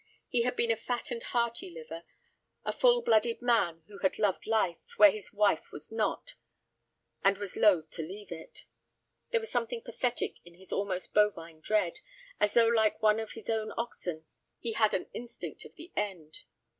He had been a fat and hearty liver, a full blooded man who had loved life, where his wife was not, and was loath to leave it. There was something pathetic in his almost bovine dread, as though like one of his own oxen he had an instinct of the end.